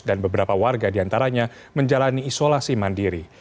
dan beberapa warga diantaranya menjalani isolasi mandiri